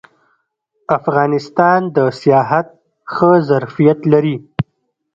افغانستان د سیاحت ښه ظرفیت لري